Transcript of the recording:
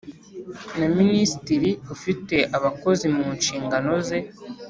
na minisitiri ufite abakozi mu nshingano ze.